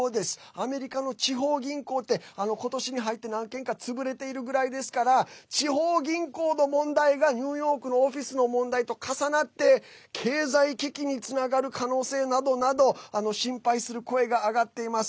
アメリカの地方銀行って今年に入って何軒か潰れているぐらいですから地方銀行の問題がニューヨークのオフィスの問題と重なって経済危機につながる可能性などなど心配する声が上がっています。